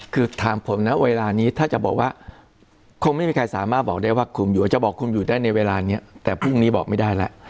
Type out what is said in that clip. คือถามผมนะเวลานี้ถ้าจะบอกว่าคงไม่มีใครสามารถบอกได้ว่าคุมอยู่จะบอกคุมอยู่ได้ในเวลานี้แต่พรุ่งนี้บอกไม่ได้แล้ว